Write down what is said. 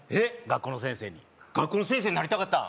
学校の先生に学校の先生になりたかった？